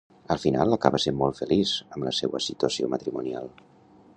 Al final, acaba sent molt feliç amb la seua situació matrimonial.